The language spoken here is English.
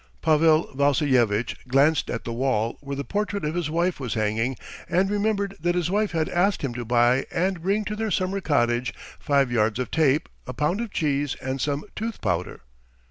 Pavel Vassilyevitch glanced at the wall where the portrait of his wife was hanging and remembered that his wife had asked him to buy and bring to their summer cottage five yards of tape, a pound of cheese, and some tooth powder.